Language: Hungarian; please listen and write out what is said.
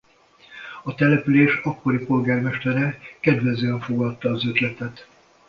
A település akkori polgármestere kedvezően fogadta az ötletet.